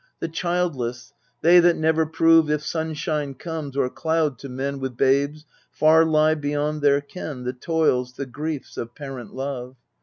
The childless, they that never prove If sunshine comes, or cloud, to men With babes, far lie beyond their ken The toils, the griefs, of parent love.